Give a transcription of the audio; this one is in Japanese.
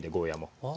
ああ。